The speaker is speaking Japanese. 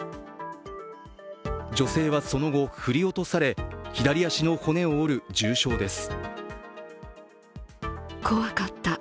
女性はその後振り落とされ、左足の骨を折る重傷です。